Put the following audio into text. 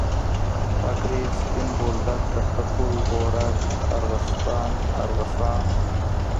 خاکریز، سپین بولدک، تخته پل، غورک، ارغستان.